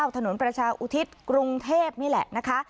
ถนนประชาอุทิศกรุงเทพนี่แหละนะคะ